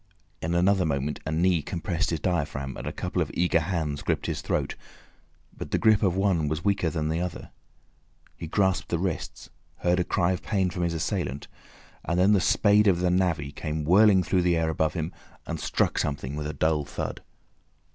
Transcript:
In another moment a knee compressed his diaphragm, and a couple of eager hands gripped his throat, but the grip of one was weaker than the other; he grasped the wrists, heard a cry of pain from his assailant, and then the spade of the navvy came whirling through the air above him, and struck something with a dull thud.